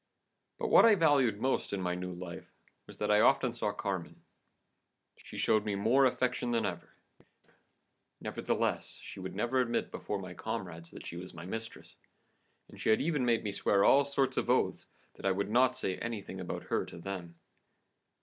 But what I valued most in my new life was that I often saw Carmen. She showed me more affection than ever; nevertheless, she would never admit, before my comrades, that she was my mistress, and she had even made me swear all sorts of oaths that I would not say anything about her to them.